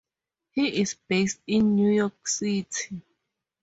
He is based in New York City.